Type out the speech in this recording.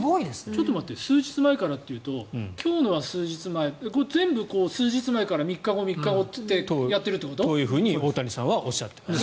ちょっと待って数日前からっていうと今日のは数日前全部、数日前から３日後、３日後ってやってるってこと？というふうに大谷さんはおっしゃってます。